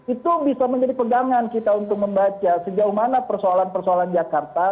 itu bisa menjadi pegangan kita untuk membaca sejauh mana persoalan persoalan jakarta